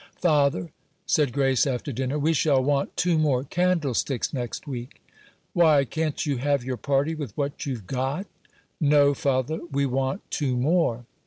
"Father," said Grace, after dinner, "we shall want two more candlesticks next week." "Why, can't you have your party with what you've got?" "No, father, we want two more."